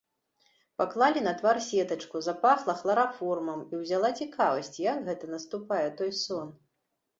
Паклалі на твар сетачку, запахла хлараформам, і ўзяла цікавасць, як гэта наступае той сон.